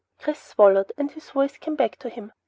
Chris swallowed and his voice came back to him.